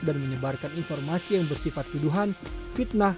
dan menyebarkan informasi yang bersifat tuduhan fitnah